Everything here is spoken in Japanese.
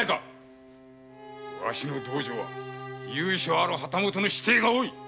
わしの道場は由緒ある旗本の子弟が多い。